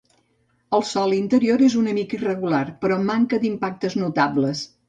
El sòl interior és una mica irregular, però manca d'impactes notables.